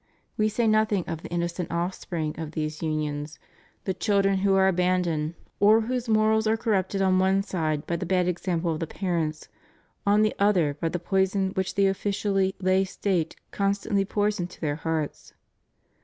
We say nothing of the innocent offspring of these unions, the children who are abandoned or whose morals are cor rupted on one side by the bad example of the parents, on the other by the poison which the officially lay State constantly pours into their hearts.